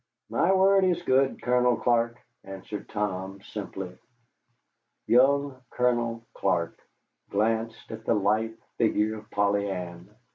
"My word is good, Colonel Clark," answered Tom, simply. Young Colonel Clark glanced at the lithe figure of Polly Ann.